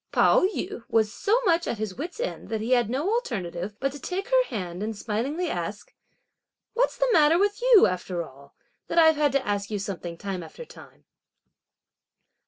Pao yü was so much at his wit's ends that he had no alternative but to take her hand and smilingly ask: "What's the matter with you, after all, that I've had to ask you something time after time?"